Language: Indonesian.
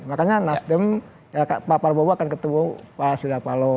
makanya pak prabowo akan ketemu pak sudapalo